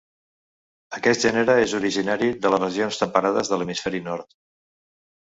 Aquest gènere és originari de les regions temperades de l'hemisferi nord.